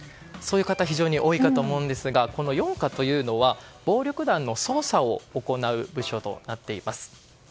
そういう方非常に多いかと思いますがこの４課というのは暴力団の捜査を行う部署です。